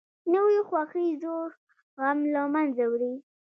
نوې خوښي زوړ غم له منځه وړي